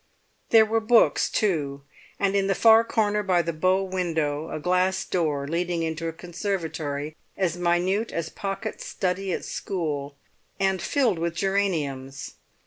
There were books, too, and in the far corner by the bow window a glass door leading into a conservatory as minute as Pocket's study at school, and filled with geraniums.